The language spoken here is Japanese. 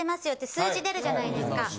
よって数字出るじゃないですか。